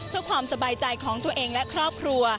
เพื่อความสบายใจของตัวเองและครอบครัว